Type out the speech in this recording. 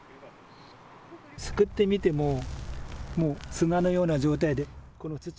すくってみても砂のような状態で。